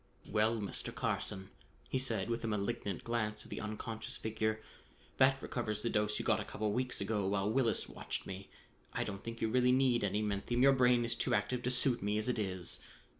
"Well, Mr. Carson," he said with a malignant glance at the unconscious figure, "that recovers the dose you got a couple of weeks ago while Willis watched me. I don't think you really need any menthium; your brain is too active to suit me as it is."